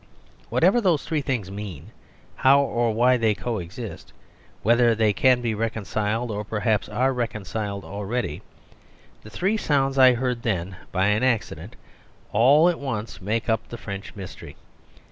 Whatever those three things mean, how or why they co exist; whether they can be reconciled or perhaps are reconciled already; the three sounds I heard then by an accident all at once make up the French mystery.